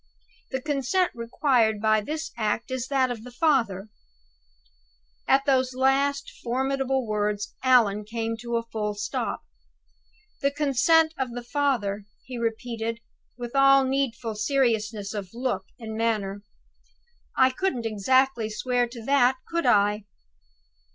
The consent required by this act is that of the father '" At those last formidable words Allan came to a full stop. "The consent of the father," he repeated, with all needful seriousness of look and manner. "I couldn't exactly swear to that, could I?"